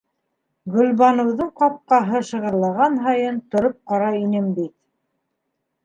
Гөлбаныуҙың ҡапҡаһы шығырлаған һайын тороп ҡарай инем бит.